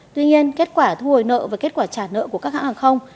tuy nhiên kết quả thu hồi nợ và kết quả trả nợ của các hãng hàng không